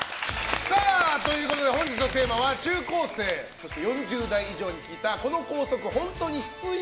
本日のテーマは中高生そして４０代以上に聞いたこの校則、本当に必要？